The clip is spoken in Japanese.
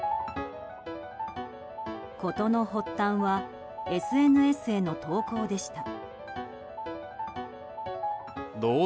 事の発端はＳＮＳへの投稿でした。